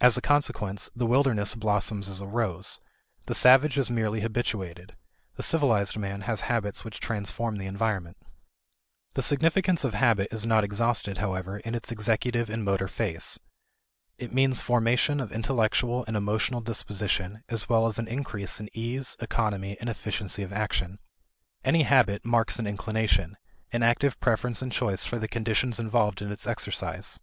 As a consequence, the wilderness blossoms as a rose. The savage is merely habituated; the civilized man has habits which transform the environment. The significance of habit is not exhausted, however, in its executive and motor phase. It means formation of intellectual and emotional disposition as well as an increase in ease, economy, and efficiency of action. Any habit marks an inclination an active preference and choice for the conditions involved in its exercise.